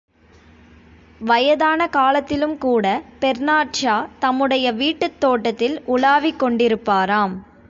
வயதான காலத்திலும் கூட பெர்னார்ட்ஷா, தம்முடைய வீட்டுத் தோட்டத்தில் உலாவிக் கொண்டிருப்பாராம்.